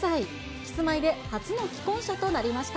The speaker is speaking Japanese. キスマイで初の既婚者となりました。